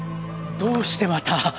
どうしてまた。